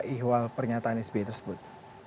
ihwal pernyataan sbe tersebut